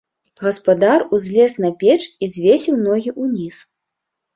Гаспадар узлез на печ і звесіў ногі ўніз.